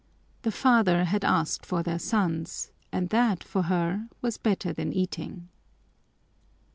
The father had asked for their sons and that for her was better than eating.